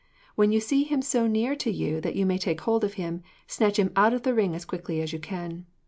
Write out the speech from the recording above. When you see him so near to you that you may take hold of him, snatch him out of the ring as quickly as you can.'